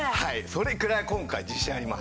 それくらい今回自信あります。